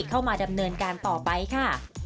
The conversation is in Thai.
เข้ามาดำเนินการต่อไปค่ะ